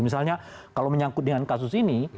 misalnya kalau menyangkut dengan kasus ini